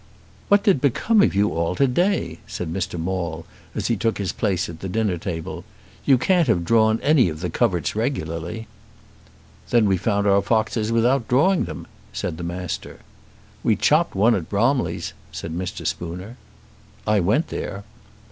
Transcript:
"What did become of you all to day?" said Mr. Maule, as he took his place at the dinner table. "You can't have drawn any of the coverts regularly." "Then we found our foxes without drawing them," said the Master. "We chopped one at Bromleys," said Mr. Spooner. "I went there."